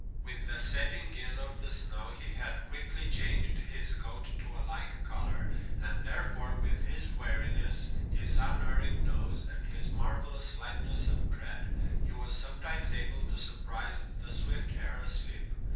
With the setting in of the snow, he had quickly changed his coat to a like color; and therefore, with his wariness, his unerring nose, and his marvelous lightness of tread, he was sometimes able to surprise the swift hare asleep.